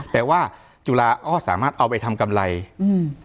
แต่ว่าจุฬาก็สามารถเอาไปทำกำไรอืม